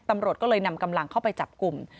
ตำรวจก็เลยนำกำลังเข้าไปจับกลุ่ม